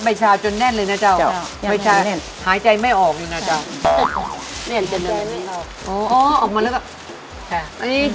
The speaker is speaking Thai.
เอาไปชงจ๊าได้ไหมเจ้าตอนนี้